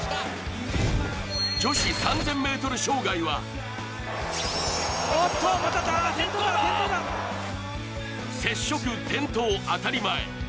女子３０００ｍ障害は接触、転倒、当たり前。